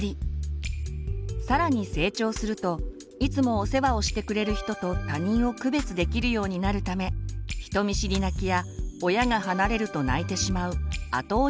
更に成長するといつもお世話をしてくれる人と他人を区別できるようになるため人見知り泣きや親が離れると泣いてしまう後追い泣きも始まります。